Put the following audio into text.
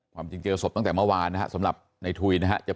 ความจริงเจอศพตั้งแต่เมื่อวานนะครับสำหรับในถุยนะครับ